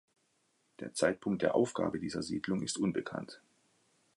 Der Zeitpunkt der Aufgabe dieser Siedlung ist unbekannt.